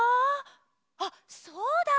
あっそうだ！